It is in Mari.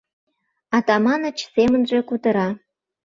— Атаманыч семынже кутыра.